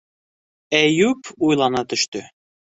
Әйүп уйлана төштө.